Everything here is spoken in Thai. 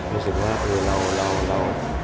รู้สึกว่า